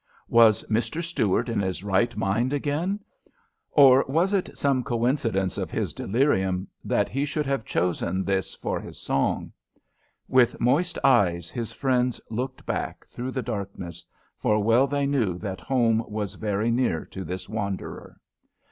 Was Mr. Stuart in his right mind again, or was it some coincidence of his delirium, that he should have chosen this for his song? With moist eyes his friends looked back through the darkness, for well they knew that home was very near to this wanderer.